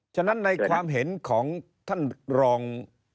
ฉะนั้นในความเห็นของท่านรอง